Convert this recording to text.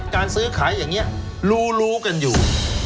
การซื้อขายอย่างนี้รู้รู้กันอยู่